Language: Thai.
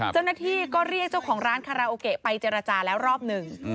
เจ้าหน้าที่ก็เรียกเจ้าของร้านคาราโอเกะไปเจรจาแล้วรอบหนึ่ง